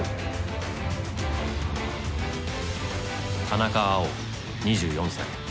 田中碧２４歳。